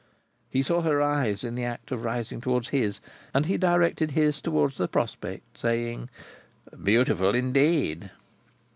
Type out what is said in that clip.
He saw her eyes in the act of rising towards his, and he directed his towards the prospect, saying: "Beautiful indeed!"